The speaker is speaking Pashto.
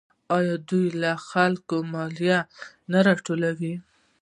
آیا دوی له خلکو مالیه نه راټولوي؟